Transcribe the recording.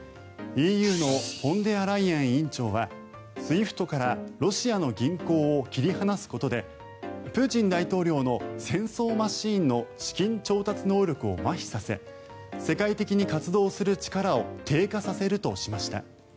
ＥＵのフォンデアライエン委員長はＳＷＩＦＴからロシアの銀行を切り離すことでプーチン大統領の戦争マシンの資金調達能力をまひさせ世界的に活動する力を低下させるとしました。